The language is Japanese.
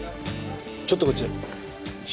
ちょっとこっちへ。